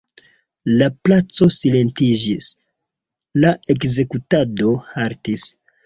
La placo silentiĝis, la ekzekutado haltis.